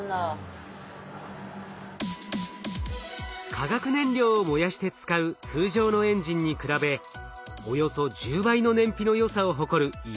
化学燃料を燃やして使う通常のエンジンに比べおよそ１０倍の燃費のよさを誇るイオンエンジン。